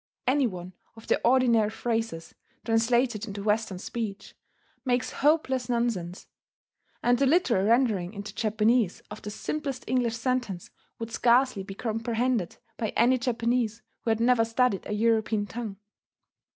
Any one of their ordinary phrases, translated into Western speech, makes hopeless nonsense; and the literal rendering into Japanese of the simplest English sentence would scarcely be comprehended by any Japanese who had never studied a European tongue.